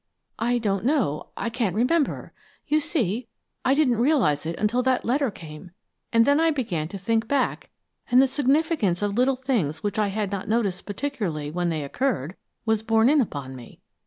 "I don't know. I can't remember. You see, I didn't realize it until that letter came, and then I began to think back, and the significance of little things which I had not noticed particularly when they occurred, was borne in upon me.